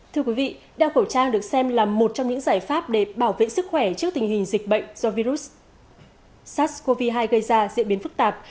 thưa quý vị đeo khẩu trang được xem là một trong những giải pháp để bảo vệ sức khỏe trước tình hình dịch bệnh do virus sars cov hai gây ra diễn biến phức tạp